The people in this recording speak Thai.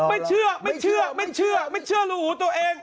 ไม่เชื่อไม่เชื่อไม่เชื่อซึ่งลูกหูตัวเอง